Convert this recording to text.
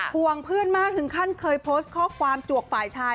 ห่วงเพื่อนมากถึงขั้นเคยโพสต์ข้อความจวกฝ่ายชาย